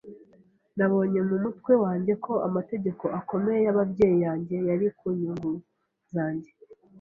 Nabonye mu mutwe wanjye ko amategeko akomeye y'ababyeyi yanjye yari ku nyungu zanjye.